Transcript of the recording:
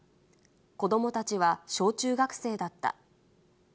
子どもたちは小中学生だった。